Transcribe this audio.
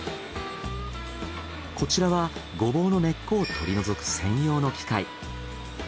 こちらはゴボウの根っこを取り除く専用の機械。